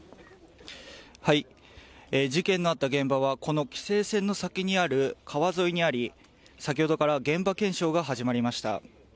事件のあった現場はこの規制線の先にある川沿いにあり先ほどから現場検証が始まりました。